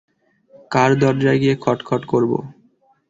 কার দরজায় গিয়ে খটখট করবো?